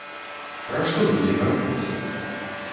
Пра што людзі гавораць?